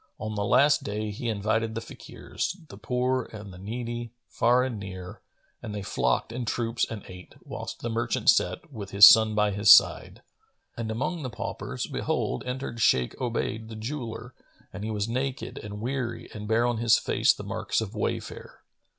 On the last day he invited the Fakirs, the poor and the needy, far and near, and they flocked in troops and ate, whilst the merchant sat, with his son by his side.[FN#448] And among the paupers, behold, entered Shaykh Obayd the jeweller and he was naked and weary and bare on his face the marks of wayfare.